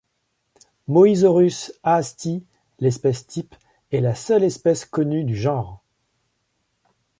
Mauisaurus haasti, l'espèce type, est la seule espèce connue du genre.